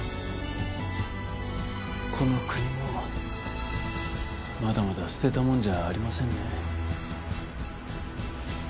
この国もまだまだ捨てたもんじゃありませんね。